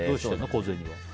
小銭は。